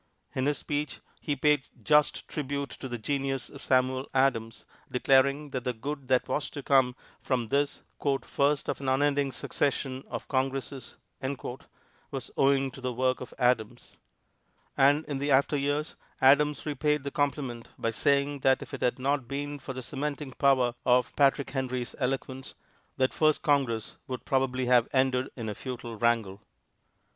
In his speech he paid just tribute to the genius of Samuel Adams, declaring that the good that was to come from this "first of an unending succession of Congresses" was owing to the work of Adams. And in after years Adams repaid the compliment by saying that if it had not been for the cementing power of Patrick Henry's eloquence, that first Congress probably would have ended in a futile wrangle.